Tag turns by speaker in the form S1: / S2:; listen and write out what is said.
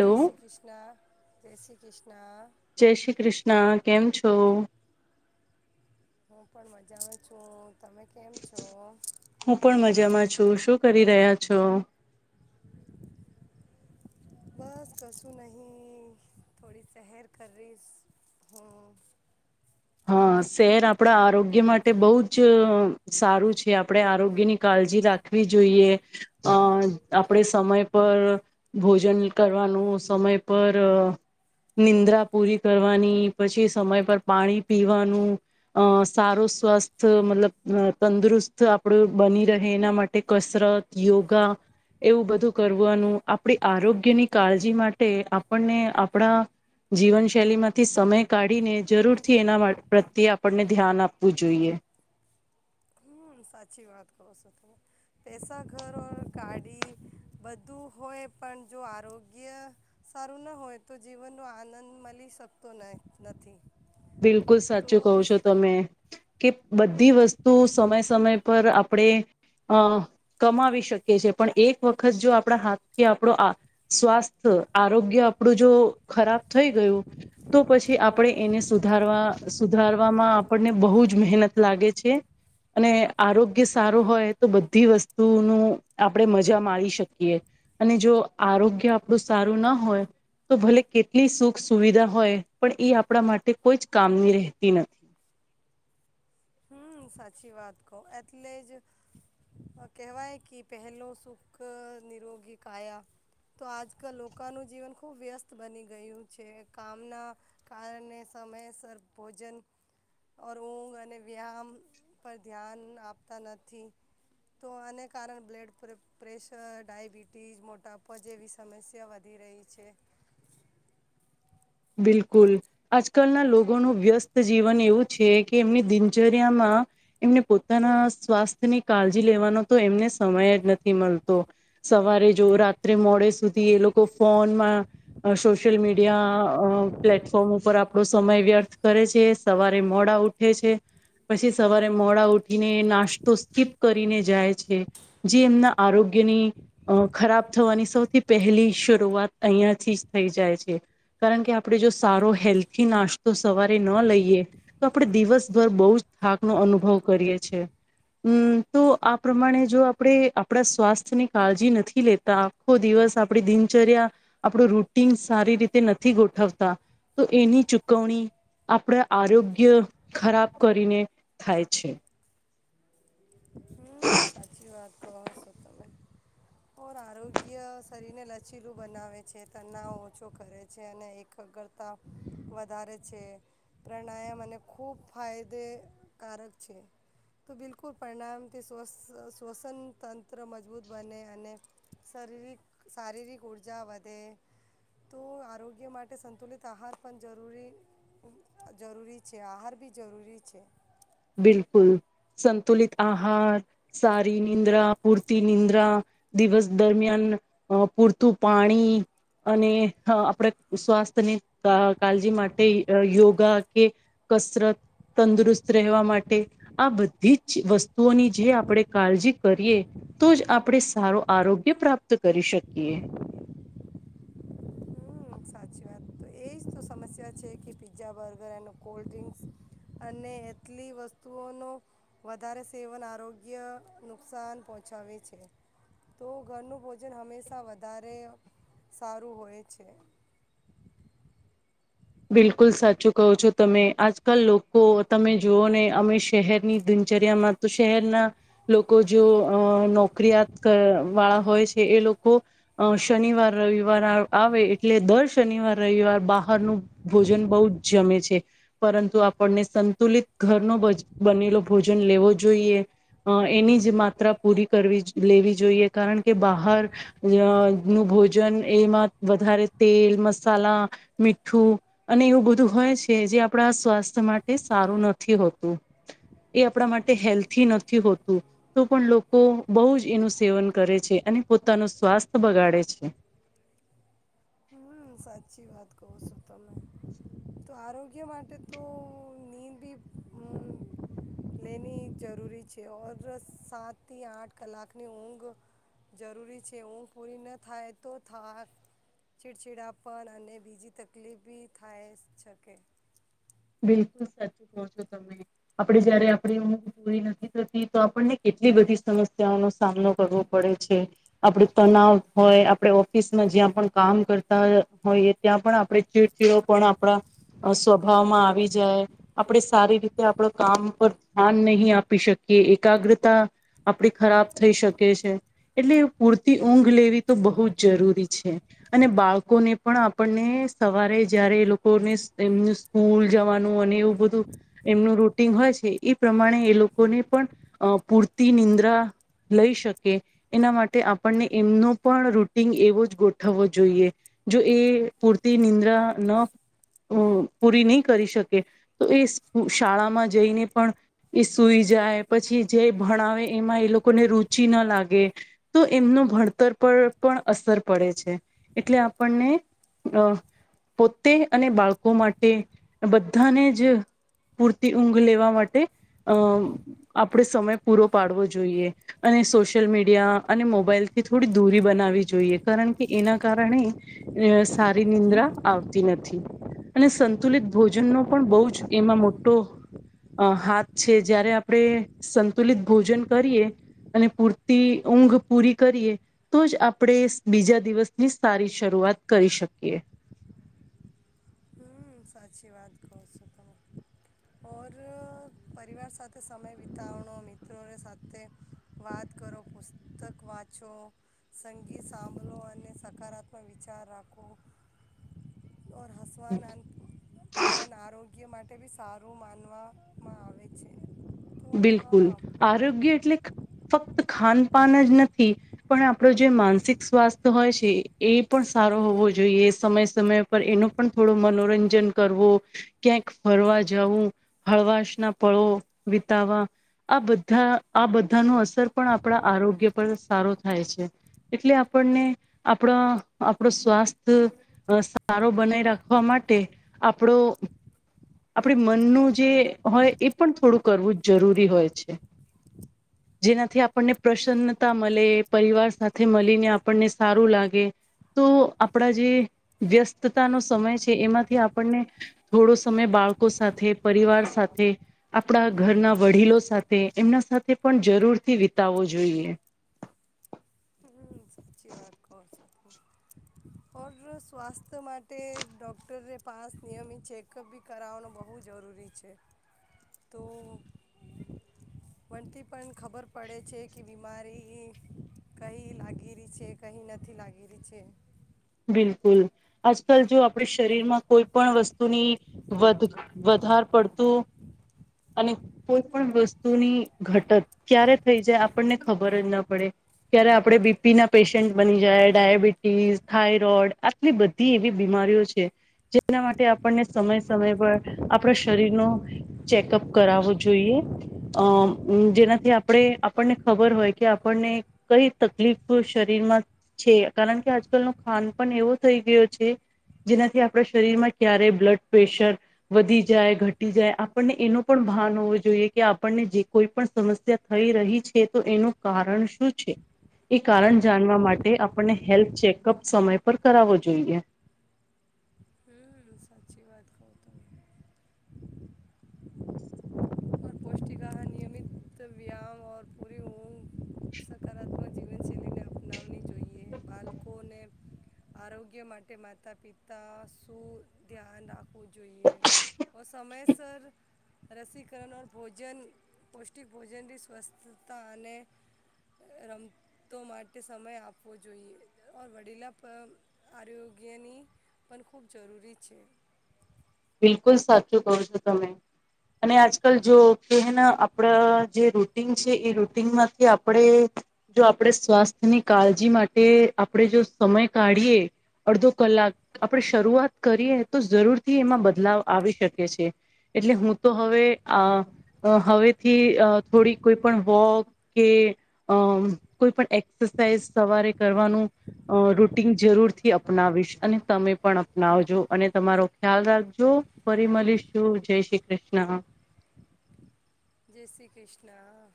S1: જય શ્રી કૃષ્ણા. જય શ્રી કૃષ્ણા્
S2: જય શ્રી કૃષ્ણ કેમ છો.
S1: હું પણ મજામાં છું. તમે કેમ છો
S2: હું પણ મજામાં છું શું કરી રહ્યા છો.
S1: બસ કશું નહીં થોડી સહેર કરીશ હું.
S2: હા શહેર આપણા આરોગ્ય માટે બહુ જ સારું છે આપણેે આરોગ્યની કાળજી રાખવી જોઈએ અ આપણેે સમય પર ભોજન કરવાનું સમય પર નિંદ્રા પૂરી કરવાની પછી સમય પર પાણી પીવાનું અ સારો સ્વસ્થ મતલબ તંદુરસ્ત આપણું બની રહે એના માટે કસરત યોગા એવું બધું કરવાનું આપણી આરોગ્યની કાળજી માટે આપણને આપણા જીવનશૈલી માંથી સમય કાઢીને જરૂર થી એના પ્રત્યે આપણને ધ્યાન આપવું જોઈએ.
S1: હમ સાચી વાત કો છો તમે પેસા ઘર ઓર ગાડી બધું હોય પણ જો આરોગ્ય સારું ના હોય તો જીવનનો આનંદ મળી શકતો નહી નથી.
S2: બિલકુલ
S1: તો
S2: સાચું કહ છો તમે. કે બધી વસ્તુ સમય સમય પર આપણે અ કમાવી શકીએ છે પણ એક વખત જો આપણા હાથથી આપણું આ સ્વાસ્થ્ય આરોગ્ય આપણું જો ખરાબ થઈ ગયું તો પછી આપણે એને સુધારવા સુધારવામાં આપણને બહુ જ મહેનત લાગે છે અને આરોગ્ય સારું હોય તો બધી વસ્તુનું આપણે મજા માણી શકીએ અને જો આરોગ્ય આપણું સારું ના હોય તો ભલે કેટલી સુખ સુવિધા હોય પણ એ આપણા માટે તે કોઈ જ કામની રહેતી નથી.
S1: હમ સાચી વાત કહ એટલે જ કહેવાય કે પહેલો સુખ નિરોગી કાયા તો આજકાલ લોકોનું જીવન ખુબ વ્યસ્ત બની ગયું છે કામના કારણે સમયસર ભોજન ઓર ઊંઘ અને વ્યાયામ પર ધ્યાન આપતા નથી તો આને કારણે બ્લડ પ્રેશર ડાયબિટીસ મોટાપા જેવી સમસ્યા વધી રહી છે.
S2: બિલકુલ આજકાલના લોકોનું વ્યસ્ત જીવન એવું છે કે એમની દિનચર્યામાં એમને પોતાના સ્વાસ્થ્યની કાળજી લેવાનો તો એમને સમય જ નથી મળતો. સવારે જો રાત્રે મોડે સુધી એ લોકો ફોનમાં સોશિયલ મીડિયા અ પ્લેટફોર્મ ઉપર આપણો સમય વ્યર્થ કરે છે સવારે મોડા ઉઠે છે પછી સવારે મોડા ઉઠીને નાસ્તો સ્કીપ કરીને જાય છે જે એમના આરોગ્યની ખરાબ થવાની સૌથી પહેલી શરૂઆત અહીંયા થીજ થઈ જાય છે. કારણ કે આપણે જો સારો હેલ્થી નાસ્તો સવારે ન લઈએ તો આપણે દિવસભર બહુ જ થાક નો અનુભવ કરીએ છી હમ તો આ પ્રમાણે જો આપણે આપણા સ્વાસ્થ્યની કાળજી નથી લેતા આખો દિવસ આપણી દિનચર્યા આપણું રૂટીન સારી રીતે ન થી ગોઠવતા તો એની ચૂકવણી આપણા આરોગ્ય ખરાબ કરીને થાય છે.
S1: હમ સાચી વાત કહો સો તમે ઓર આરોગ્ય શરીરને લચીલું બનાવે છે તનાવ ઓછો કરે છે અને એકગ્રતા વધારે છે પ્રાણાયામ અને ખૂબ ફાયદેકારક છે તો બિલકુલ પરિણામથી શવસ શ્વસન તંત્ર મજબૂત બને અને શરીરિક શારીરિક ઊર્જા વધે તો આરોગ્ય માટે સંતુલિત આહાર પણ જરૂરી જરૂરી છે આહાર બી જરૂરી છે
S2: બિલકુલ સંતુલિત આહાર સારી નિંદ્રા પૂરતી નિંદ્રા દિવસ દરમિયાન પૂરતું પાણી અને આપણે સ્વાસ્થ્યની કાળજી માટે યોગા કે કસરત તંદુરસ્ત રહેવા માટે આ બધી જ વસ્તુઓની જે આપણે કાળજી કરીએ તો જ આપણે સારો આરોગ્ય પ્રાપ્ત કરી શકીએ.
S1: હમ સાચી તો એ જ તો સમસ્યા છે કે પીઝા બર્ગર એનું કોલ્ડ ડ્રિંક્સ અને એટલી વસ્તુઓનું વધારે સેવન આરોગ્ય નુકસાન પહોંચડે છે તો ઘરનું ભોજન હંમેશા વધારે સારું હોય છે.
S2: બિલકુલ સાચું કહો છો તમે આજકાલ લોકો તમે જુઓ ને અમે શહેરની દિનચર્યામાં તો શહેરના લોકો જો અ નોકરીયાત વાળા હોય છે એ લોકો શનિવાર રવિવાર આવે એટલે દર શનિવાર રવિવાર બહારનું ભોજન બહુ જ જમે છે પરંતુ આપણને સંતુલિત ઘરનો બનેલો ભોજન લેવો જોઈએ એની જ માત્રા પૂરી કરવી લેવી જોઈએ કારણ કે બહાર નું અ ભોજન એમાં વધારે તેલ મસાલા મીઠું અને એવું બધું હોય છે જે આપણા સ્વાસ્થ્ય માટે સારું નથી હોતું એ આપણા માટે હેલ્થી નથી હોતું તો પણ લોકો બહુ જ એનું સેવન કરે છે અને પોતાનું સ્વાસ્થ્ય બગાડે છે.
S1: હમ સાચી વાત કહો સો તમે તો આરોગ્ય માટે તો નીંદ બી હ લેની જરૂરી છે ઓર સાત થી આઠ કલાકની ઊંઘ જરૂરી છે ઊંઘ પૂરી ના થાય તો થા છીડછીડા પન અને બીજી તકલીફ બી થાય શકે.
S2: બિલકુલ સાચું કો છો તમે આપડે જયારે આપડી ઊઘ પૂરી નથી થતી તો આપણને કેટલી બધી સમસ્યાઓનો સામનો કરવો પડે છે આપડે તનાવ હોય આપણે ઓફિસમાં જ્યાં પણ કામ કરતા હોઈએ ત્યાં પણ આપણે ચીડચીડો પણ આપણા સ્વભાવમાં આ વી જાય આપણે સારી રીતે આપ કામ પર ધ્યાન નહી આપી શકીએ એકાગ્રતા આપણી ખરાબ થઈ શકે છે એટલે પૂરતી ઊંઘ લેવી તો બહુ જ જરૂરી છે અને બાળકોને પણ આપણને સવારે જયારે એ લોકોને એમનું સ્કૂલ જવાનું અને એવું બધું એમનું રૂટીન હોય છે એ પ્રમાણે એ લોકોને પણ પૂરતી નિંદ્રા લઈ શકે એના માટે આપણને એમનો પણ રૂટિન એવો જ ગોઠવવો જોઈએ જો એ પૂરતી નિંદ્રા ન પૂરી નહી કરી શકે તો એ શાળામાં જઈને પણ એ સુઈ જાય પછી જે ભણાવે એમાં એ લોકોને રુચિ ના લાગે તો એમનું ભણતર પર પણ અસર પડે છે એટલે આપણને અ પોતે અને બાળકો માટે બધાને જ પૂરતી ઊંઘ લેવા માટે અ આપણે સમય પૂરો પાડવો જોઈએ અને સોશિયલ મીડિયા અને મોબાઈલથી થોડી દૂરી બનાવી જોઈએ કારણ કે એના કારણે સારી નિંદ્રા આવતી નથી અને સંતુલિત ભોજનનો પણ બહુ જ એમાં મોટો હાથ છે જ્યારે આપણે સંતુલિત ભોજન કરીએ અને પૂરતી ઊંઘ પૂરી કરીએ તો જ આપણે બીજા દિવસની સારી શરૂઆત કરી શકીએ.
S1: હ સાચી વાત કહો છો તમે ઓર પરિવાર સાથે સમય વિતાવણો મિત્રોને સાથે વાત કરો પુસ્તક વાંચો સંગીત સાંભળો અને સકારાત્મક વિચાર રાખો. ઔર હસવાન પણ આરોગ્ય માટે બી સારું માનવામાં આવે છે. તો
S2: બિલકુલ
S1: હા
S2: આરોગ્ય એટલે ફક્ત ખાન પાાન જ નથી પણ આપણો જે માનસિક સ્વાસ્થ્ય હોય છે એ પણ સારો હોવો જોઈએ સમય સમય પર એનું પણ થોડો મનોરંજન કરવું ક્યાંક ફરવા જવું હળવાશ ના પળો વી તાવવા આ બધા આ બધાનું અસર પણ આપણા આરોગ્ય પર સારો થાય છે એટલે આપણને આપણા આપણો સ્વાસ્થ્ય સારો બનાઈ રાખવા માટે આપણો આપડી મનનું જે હોય એ પણ થોડુંક કરવું જ જરૂરી હોય છે જેનાથી આપણને પ્રસન્નતા મળે પરિવાર સાથે મળીને આપણને સારું લાગે તો આપણા જે વ્યસ્તતાનો સમય છે એમાંથી આપણને થોડો સમય બાળકો સાથે પરિવાર સાથે આપણા ઘરના વડીલો સાથે એમના સાથે પણ જરૂરથી વિતાવવો જોઈએ.
S1: હમ્મ સાચી વાત કોણ ઓર સ્વાસ્થ્ય માટે ડોક્ટરને પાાસ નિયમિત ચેકઅપ બી કરાવવાનો બહુ જરૂરી છે. તો વનતી પણ ખબર પડે છે કે બીમારી કહી લાગી રહી છે કહી નથી લાગી રહી છે.
S2: બિલકુલ આજકાલ જો આપણે શરીરમાં કોઈ પણ વસ્તુની વધ વધાર પડતું અને કોઈ પણ વસ્તુની ઘટત ક્યારે થઈ જાય આપણને ખબર જ ના પડે ક્યારે આપણે બીપી ના પેશન્ટ બની જાય ડાયાબિટીસ થાઈરોઈડ આટલી બધી એવી બીમારીઓ છે જેના માટે આપણને સમય સમય પર આપણા શરીરનો ચેકઅપ કરાવવો જોઈએ અ જેનાથી આપણે આપણને ખબર હોય કે આપણને કઈ તકલીફ શરીરમાં છે કારણ કે આજ કાલનું ખાન પણ એવો થઈ ગયો છે જેનાથી આપણા શરીરમાં ક્યારેય બ્લડ પ્રેશર વધી જાય ઘટી જાય આપણને એનો પણ ભાન હોવું જોઈએ કે આપણને જે કોઈ પણ સમસ્યા થઈ રહી છે તો એનું કારણ શું છે એ કારણ જાણવા માટે આપણને હેલ્થ ચેકઅપ સમય પર કરાવો જોઈએ.
S1: હમ [inaudible] તો વ્યામ ઓર પૂરી ઊઘ કોને આરોગ્ય માટે માતા પિતા શું ધ્યાન રાખ વુ જોઈએ. ઓ સમયસર રસીક કરવનાર ભોજન પૌષ્ટિક ભોજનની સ્વસ્થતા અને રમતો માટે સમય આપવો જોઈએ. ઓર વડીલા પ આરોગ્યની પણ ખૂબ જરૂરી છે.
S2: બિલકુલ સાચું કહો છો તમે. અને આજકાલ જો કેેને આપણા જે રૂટન છે એ રૂટનમાંથી આપણે જો આપણે સ્વાસ્થ્યની કાળજી માટે આપણે જો સમય કાઢીએ અડધો કલાક આપણે શરૂઆત કરીએ તો જરૂર થી એમાં બ બદલાવ આવી શકે છે. એટલે હું તો હવે આહએ અહ હવેથી થોડી કોઈ પણ વોક કે અહ કોઈ પણ એક્સરસાઇઝ સવારે કરવાનું અહ રૂટીન જરૂરથી અપનાવીશ અને તમે પણ અપનાવજો અને તમારો ખ્યાલ રાખજ જો ફરી મલીશું. જય શ્રી કૃષ્ણ.
S1: જય શ્રી કૃષ્ણ.